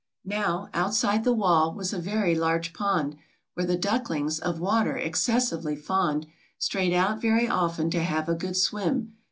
Now, outside the wall was a very large pond, Where the ducklings, of water excessively fond, Strayed out very often to have a good swim.